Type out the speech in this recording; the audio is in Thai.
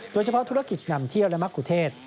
โดยเฉพาะธุรกิจนำเที่ยวและมะกุเทศ